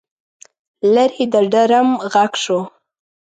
لرې د ډرم غږ شو.